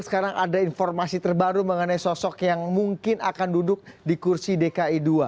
sekarang ada informasi terbaru mengenai sosok yang mungkin akan duduk di kursi dki dua